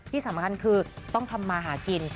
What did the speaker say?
ที่สำคัญคือต้องทำมาหากิน